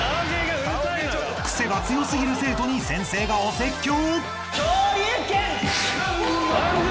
［癖が強すぎる生徒に先生がお説教］